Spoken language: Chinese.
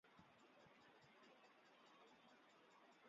唐朝赐名李国昌。